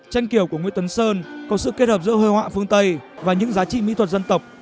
tranh kiều của nguyễn tuấn sơn có sự kết hợp giữa hội họa phương tây và những giá trị mỹ thuật dân tộc